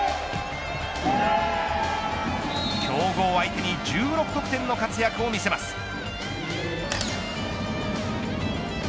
強豪相手に１６得点の活躍を見せます。